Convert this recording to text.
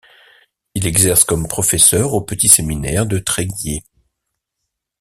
Il exerce comme professeur au petit séminaire de Tréguier.